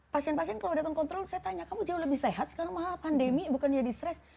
pasien pasien kalau datang kontrol saya tanya kamu jauh lebih sehat sekarang malah pandemi bukan jadi stres